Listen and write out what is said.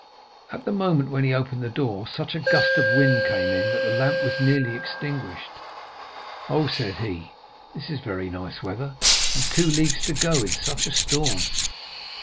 At the moment when he opened the door, such a gust of wind came in that the lamp was nearly extinguished. 'Oh,' said he, 'this is very nice weather, and two leagues to go in such a storm.